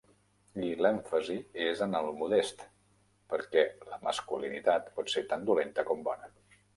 I l'èmfasi és en el "modest", perquè la masculinitat pot ser tant dolenta com bona.